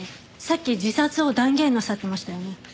さっき自殺を断言なさってましたよね。